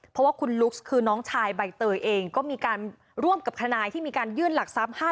เพราะว่าคุณลุ๊กคือน้องชายใบเตยเองก็มีการร่วมกับทนายที่มีการยื่นหลักทรัพย์